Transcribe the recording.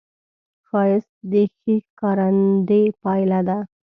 ښایست د ښې ښکارندې پایله ده